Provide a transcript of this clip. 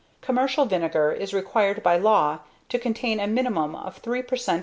Commercial Vinegar is required by law to contain a minimum of 3 per cent.